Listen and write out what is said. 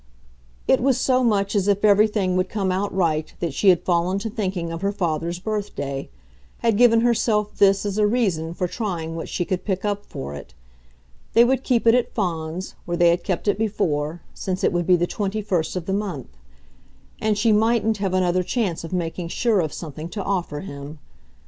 It was so much as if everything would come out right that she had fallen to thinking of her father's birthday, had given herself this as a reason for trying what she could pick up for it. They would keep it at Fawns, where they had kept it before since it would be the twenty first of the month; and she mightn't have another chance of making sure of something to offer him.